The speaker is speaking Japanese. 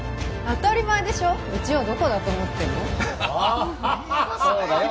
当たり前でしょうちをどこだと思ってるのそうだよ